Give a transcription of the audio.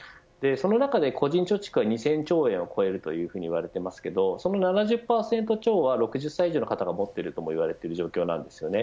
その中で個人貯蓄は２０００兆円を超えていると言われていますがその７０％弱は６０歳以上が持っていると言われています。